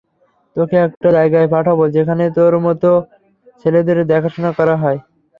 তোকে একটা জায়গায় পাঠাব যেখানে তোর মতো ছেলেদের দেখাশোনা করা হয়।